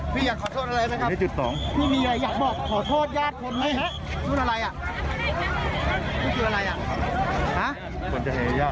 พี่พี่สำนึกผิดไหมฮะหรือว่า